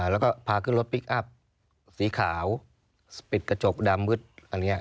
แล้วก็พาขึ้นรถพลิกอัพสีขาวสปิดกระจกดำมืดอันนี้